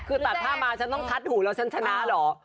คือตัดผ้ามาฉันต้องคัดหูแล้วฉันชนะเหรอ